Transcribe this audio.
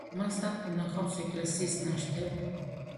მას აქ უნახავს ეკლესიის ნაშთები.